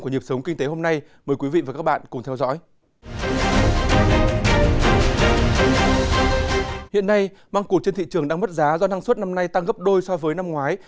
hiện nay măng cụt trên thị trường đang mất giá do năng suất năm nay tăng gấp đôi so với năm ngoái